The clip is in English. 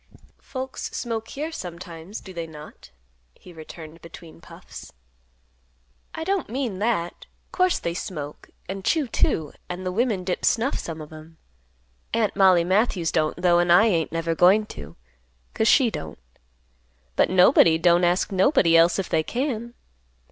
"Folks smoke here, sometimes, do they not?" he returned between puffs. "I don't mean that. Course they smoke and chew, too. And the women dip snuff, some of 'em. Aunt Mollie Matthews don't, though, and I ain't never goin' to, 'cause she don't. But nobody don't ask nobody else if they can.